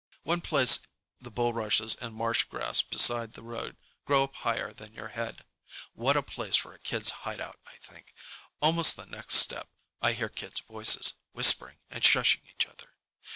One place the bulrushes and marsh grass beside the road grow up higher than your head. What a place for a kids' hideout, I think. Almost the next step, I hear kids' voices, whispering and shushing each other.